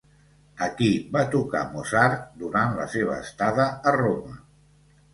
Aquí va tocar Mozart durant la seva estada a Roma.